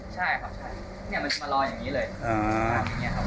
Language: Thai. ใช่ครับใช่เนี่ยมันมาลอยอย่างนี้เลย